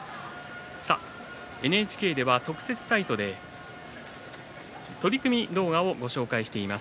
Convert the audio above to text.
ＮＨＫでは特設サイトで取組動画をご紹介しています。